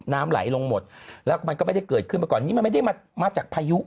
น้ำไหลลงหมดแล้วมันก็ไม่ได้เกิดขึ้นมาก่อนนี้มันไม่ได้มามาจากพายุ